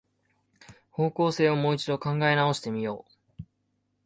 方向性をもう一度考え直してみよう